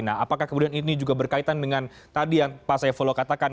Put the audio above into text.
nah apakah kemudian ini juga berkaitan dengan tadi yang pak saifullah katakan